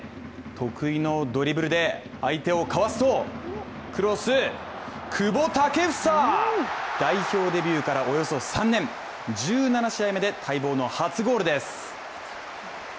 得意のドリブルで相手を交わすとクロス、久保建英！代表デビューからおよそ３年、１７試合目で待望の初ゴールです。